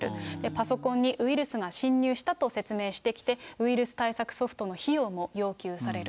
パソコンにウイルスが侵入したと説明してきて、ウイルス対策ソフトの費用も要求される。